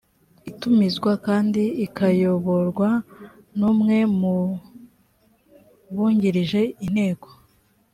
itumizwa kandi ikayoborwa n umwe mu bungirije inteko